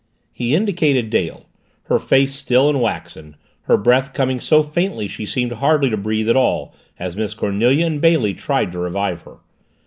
He indicated Dale her face still and waxen her breath coming so faintly she seemed hardly to breathe at all as Miss Cornelia and Bailey tried to revive her.